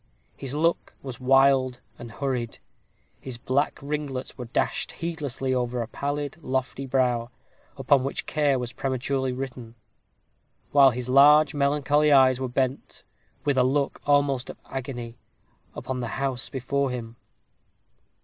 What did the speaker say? His look was wild and hurried; his black ringlets were dashed heedlessly over a pallid, lofty brow, upon which care was prematurely written; while his large melancholy eyes were bent, with a look almost of agony, upon the house before him.